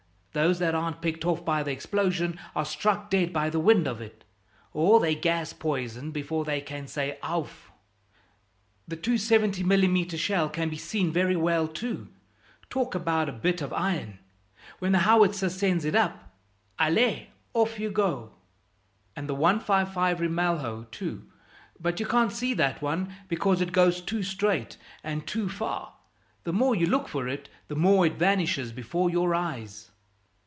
Those that aren't picked off by the explosion are struck dead by the wind of it, or they're gas poisoned before they can say 'ouf!'" "The 270 mm. shell can be seen very well, too talk about a bit of iron when the howitzer sends it up allez, off you go!" "And the 155 Rimailho, too; but you can't see that one because it goes too straight and too far; the more you look for it the more it vanishes before your eyes."